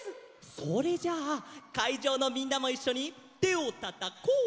それじゃあかいじょうのみんなもいっしょに「てをたたこ」！